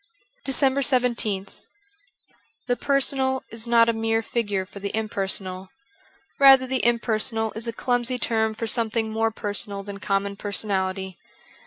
389 DECEMBER 17th THE personal is not a mere figure for the impersonal : rather the impersonal is a clumsy term for something more personal than common personality.